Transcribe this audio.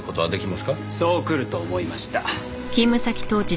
そうくると思いました。